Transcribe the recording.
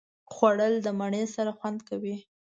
خوړل د مڼې سره خوند کوي